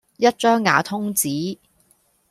一張瓦通紙